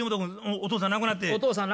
お父さん亡くなって。